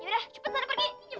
di itujin kemana months dong